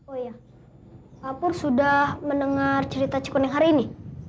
oh iya pak pur sudah mendengar cerita cikun yang hari ini